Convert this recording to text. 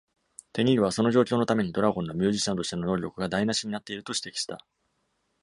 テニールは、その状況のためにドラゴンのミュージシャンとしての能力が台無しになっていると指摘した。